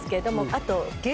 あと。